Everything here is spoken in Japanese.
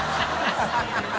ハハハ